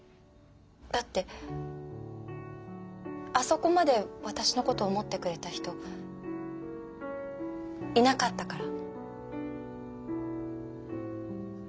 だってあそこまで私のこと思ってくれた人いなかったから。